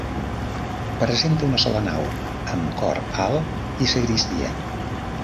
Presenta una sola nau amb cor alt i sagristia.